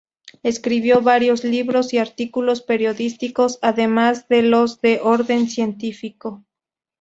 Escribió varios libros y artículos periodísticos además de los de orden científico.